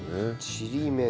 ちりめん。